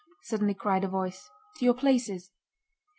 * suddenly cried a voice. * "To your places."